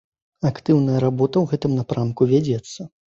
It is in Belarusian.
Актыўная работа ў гэтым напрамку вядзецца.